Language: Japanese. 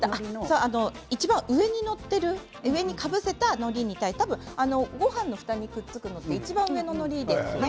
いちばん上に載っている上にかぶせた、のりに対してごはんのふたにくっつくのはいちばん上の、のりですよね。